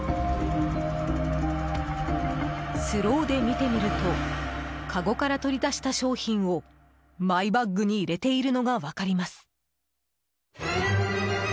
スローで見てみるとかごから取り出した商品をマイバッグに入れているのが分かります。